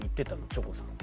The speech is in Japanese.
チョコさんは。